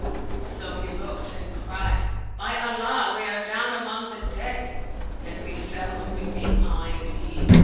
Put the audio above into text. So he looked and cried, " By Allah, we are down among the dead !" and we fell a weeping, I and he.